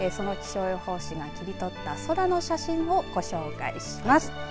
その気象予報士が切り取った空の写真をご紹介します。